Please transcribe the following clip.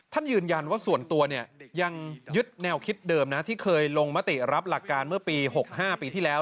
ยืนยันว่าส่วนตัวเนี่ยยังยึดแนวคิดเดิมนะที่เคยลงมติรับหลักการเมื่อปี๖๕ปีที่แล้ว